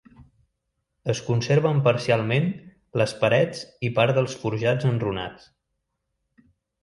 Es conserven parcialment les parets i part dels forjats enrunats.